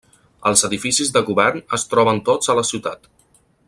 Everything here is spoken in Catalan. Els edificis de govern es troben tots a la ciutat.